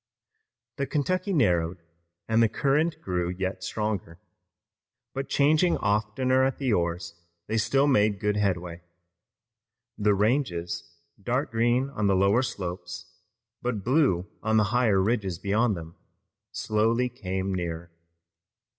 The Kentucky narrowed and the current grew yet stronger. But changing oftener at the oars they still made good headway. The ranges, dark green on the lower slopes, but blue on the higher ridges beyond them, slowly came nearer.